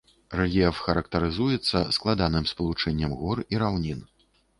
Рэльеф характарызуецца складаным спалучэннем гор і раўнін.